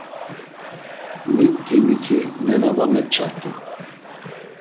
“Mitti miti nena va mepçart̆u.”